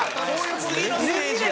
次のステージや。